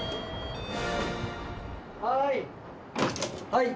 はい！